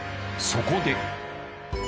そこで。